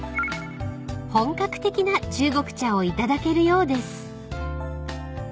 ［本格的な中国茶を頂けるようです］